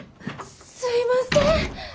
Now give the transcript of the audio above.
すいません。